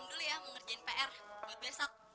tapi mau jual voras